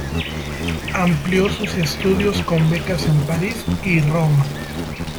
Amplió sus estudios con becas en París y Roma.